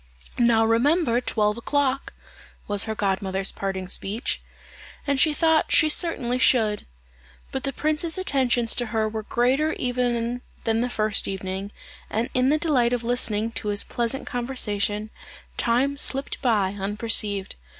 "Now remember twelve o'clock," was her godmother's parting speech; and she thought she certainly should. But the prince's attentions to her were greater even than the first evening, and in the delight of listening to his pleasant conversation, time slipped by unperceived.